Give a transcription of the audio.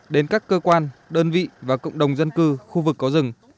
đến các cơ quan đơn vị và cộng đồng dân cư khu vực có rừng